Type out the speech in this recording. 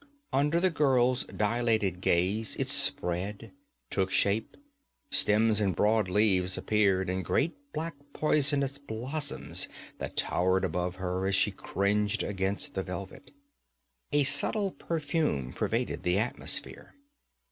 Under the girl's dilated gaze it spread, took shape; stems and broad leaves appeared, and great black poisonous blossoms that towered above her as she cringed against the velvet. A subtle perfume pervaded the atmosphere.